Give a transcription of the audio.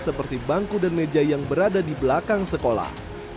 seperti bangku dan meja yang berada di belakang sekolah